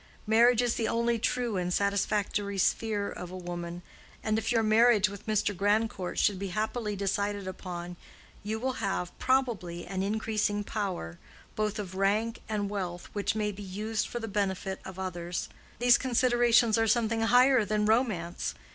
Marriage is the only true and satisfactory sphere of a woman, and if your marriage with Mr. Grandcourt should be happily decided upon, you will have, probably, an increasing power, both of rank and wealth, which may be used for the benefit of others. These considerations are something higher than romance!